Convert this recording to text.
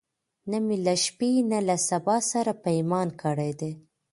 نه می له شپې نه له سبا سره پیمان کړی دی